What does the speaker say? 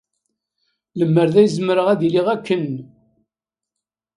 Lemmer d ay zemreɣ ad iliɣ akken...